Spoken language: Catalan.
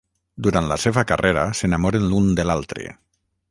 Durant la seva carrera, s'enamoren l’un de l'altre.